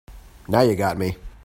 Now you got me.